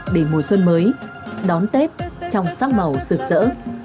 để mùa xuân mới đón tết trong sắc màu rực rỡ